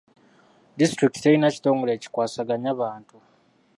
Disitulikiti terina kitongole kikwasaganya bantu.